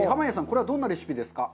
これはどんなレシピですか？